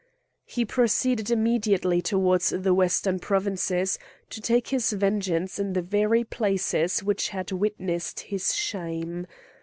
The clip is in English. He proceeded immediately towards the western provinces, to take his vengeance in the very places which had witnessed his shame.